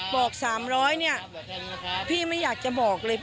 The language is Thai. บอก๓๐๐เนี่ยพี่ไม่อยากจะบอกเลย